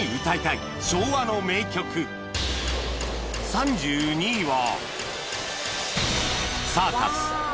３２位は